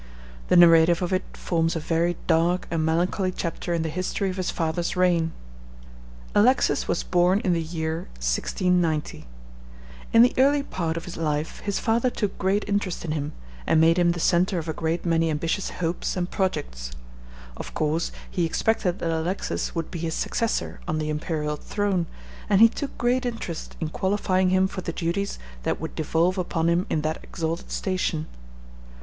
The narrative of it forms a very dark and melancholy chapter in the history of his father's reign. Alexis was born in the year 1690. In the early part of his life his father took great interest in him, and made him the centre of a great many ambitious hopes and projects. Of course, he expected that Alexis would be his successor on the imperial throne, and he took great interest in qualifying him for the duties that would devolve upon him in that exalted station.